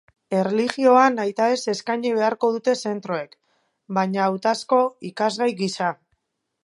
Erlijioa nahitaez eskaini beharko dute zentroek, baina hautazko ikasgai gisa.